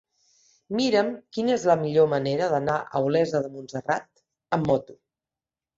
Mira'm quina és la millor manera d'anar a Olesa de Montserrat amb moto.